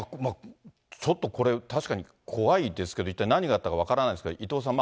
ちょっとこれ、確かに怖いですけど、一体何があったか分からないですけど、伊藤さん、